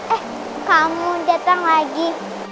eh kamu datang lagi